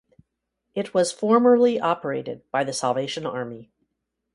It was formerly operated by the Salvation Army.